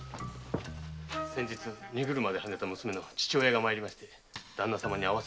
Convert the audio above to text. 先日荷車ではねた娘の父親が参りましてダンナ様に会わせてくれと。